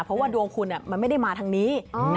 เพราะว่าดวงคุณมันไม่ได้มาทางนี้